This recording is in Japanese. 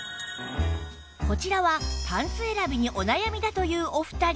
こちらはパンツ選びにお悩みだというお二人